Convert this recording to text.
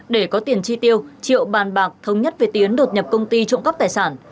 để có tiền chi tiêu triệu bàn bạc thống nhất về tiến đột nhập công ty trộm cắp tài sản